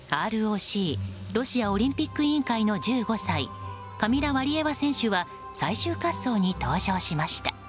ＲＯＣ・ロシアオリンピック委員会の１５歳、カミラ・ワリエワ選手は最終滑走に登場しました。